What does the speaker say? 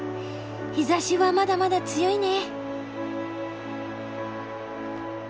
日ざしはまだまだ強いね。